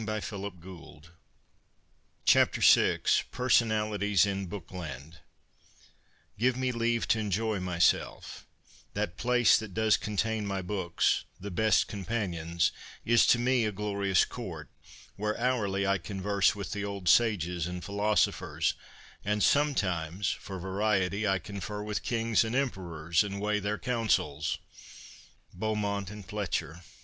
VI PERSONALITIES IN ' BOOKLAND ' VI PERSONALITIES IN ' BOOKLAND ' Give me leave T" enjoy myself ; that place that does contain My books, the best companions, is to me A glorious court, where hourly I converse With the old sages and philosophers ; And sometimes for variety, I confer With kings and emperors, and weigh their counsels. Beaumont and Fletcher.